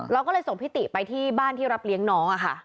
เราก็เลยส่งพี่ต๋ป้ายที่บ้านที่รับเลี้ยงน้อง